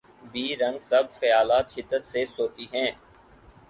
be رنگ سبز خیالات شدت سے سوتی ہیں